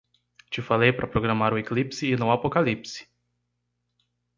Te falei para programar o eclipse e não o apocalipse